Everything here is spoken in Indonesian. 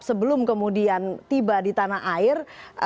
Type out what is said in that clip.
sebelum kemudian tiba di tanah air